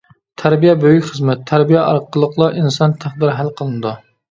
-تەربىيە بۈيۈك خىزمەت، تەربىيە ئارقىلىقلا ئىنسان تەقدىرى ھەل قىلىنىدۇ.